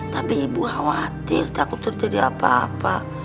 tapi ibu khawatir takut terjadi apa apa